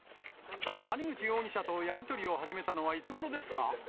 谷口容疑者とやり取りを始めたのはいつごろですか？